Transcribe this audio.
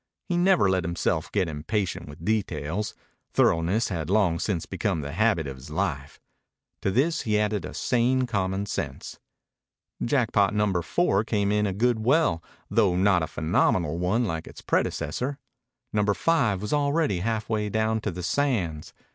He never let himself get impatient with details. Thoroughness had long since become the habit of his life. To this he added a sane common sense. Jackpot Number Four came in a good well, though not a phenomenal one like its predecessor. Number Five was already halfway down to the sands.